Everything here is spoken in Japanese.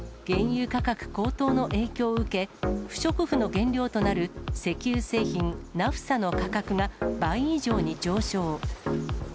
原油価格高騰の影響を受け、不織布の原料となる石油製品、ナフサの価格が倍以上に上昇。